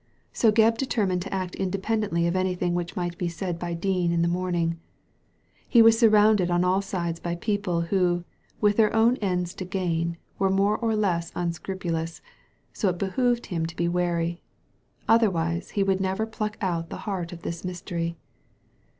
So Gebb determined to act independently of anything which might be said by Dean in the morning. He was surrounded on all sides by people who, with their own ends to £^n, were more or less unscrupulous, so it behoved him to be wary. Otherwise, he would never pluck out the heart of this mystery.